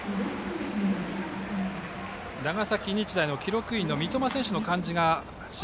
長崎日大の記録員の三苫選手の漢字が試合